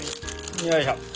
よいしょ。